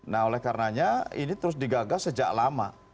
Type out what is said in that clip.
nah oleh karenanya ini terus digagas sejak lama